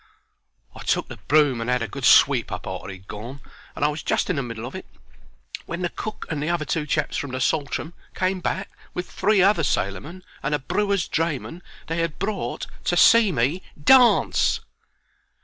I took the broom and 'ad a good sweep up arter he 'ad gorn, and I was just in the middle of it when the cook and the other two chaps from the Saltram came back, with three other sailormen and a brewer's drayman they 'ad brought to see me DANCE!